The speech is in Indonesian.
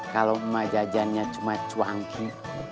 kalau emak jajannya cuma cuangki